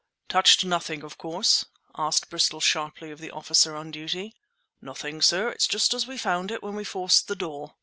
"Touched nothing, of course?" asked Bristol sharply of the officer on duty. "Nothing, sir. It's just as we found it when we forced the door."